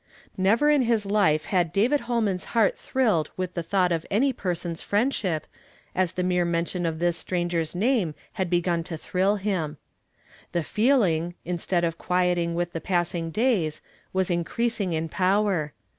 Never in his life had David Holman's heart thrilled with the thought of any person's friendship, as the mere mention of this stranger's name had begun to thrill him. The feeling, instead of quieting with the passing days, was increasing in power.